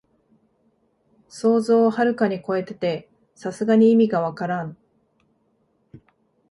想像をはるかにこえてて、さすがに意味がわからん